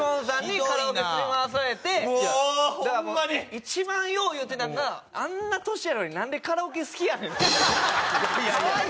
一番よう言うてたのが「あんな年やのになんでカラオケ好きやねん」っていう。